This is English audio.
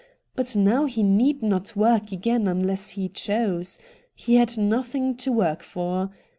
But now he need not work again unless he chose ; he had nothing to work for.